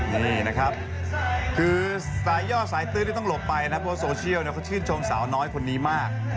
นี่นะครับคือสายย่อสายตื้นที่ต้องหลบไปนะเพราะโซเชียลเขาชื่นชมสาวน้อยคนนี้มาก